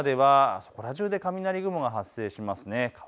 昼過ぎぐらいまではそこら中で雷雲が発生します。